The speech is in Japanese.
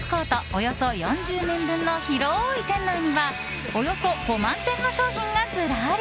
およそ４０面分の広い店内にはおよそ５万点の商品がずらり！